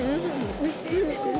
おいしい？